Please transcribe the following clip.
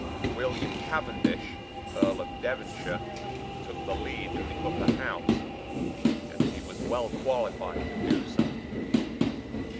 William Cavendish, Earl of Devonshire, took the lead in the Upper House; and he was well qualified to do so.